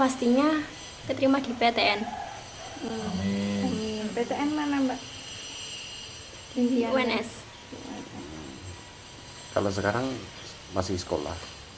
sekolah sekarang masih sekolah